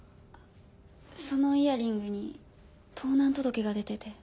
そのイヤリングに盗難届が出てて。